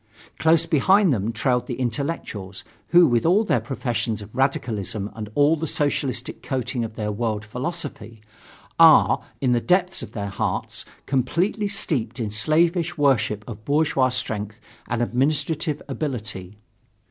Close behind them trailed the intellectuals, who, with all their professions of radicalism and all the socialistic coating of their world philosophy, are, in the depths of their hearts, completely steeped in slavish worship of bourgeois strength and administrative ability.